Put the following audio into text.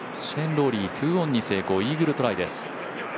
シェーン・ローリー、２オンに成功イーグルトライです。